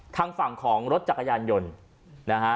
ทางฝั่งของรถจักรยานยนต์นะฮะ